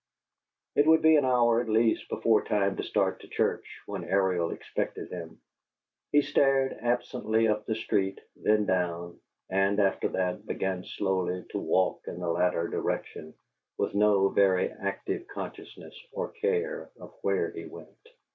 It would be an hour at least before time to start to church, when Ariel expected him; he stared absently up the street, then down, and, after that, began slowly to walk in the latter direction, with no very active consciousness, or care, of where he went.